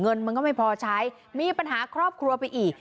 เงินมันก็ไม่พอใช้มีปัญหาครอบครัวไปอีก